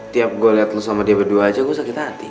tiap gue liat lu sama dia berdua aja gue sakit hati